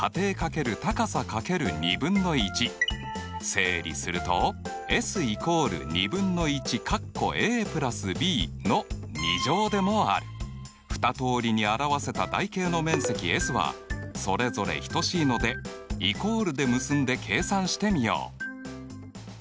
整理すると２通りに表せた台形の面積Ｓはそれぞれ等しいのでイコールで結んで計算してみよう。